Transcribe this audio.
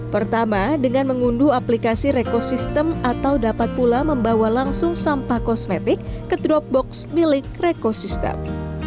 pertama dengan mengunduh aplikasi rekosistem atau dapat pula membawa langsung sampah kosmetik ke drop box milik rekosistem